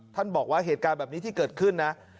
บอกว่าเหตุการณ์แบบนี้ที่เกิดขึ้นนะ